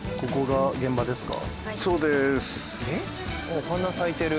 お花咲いてる。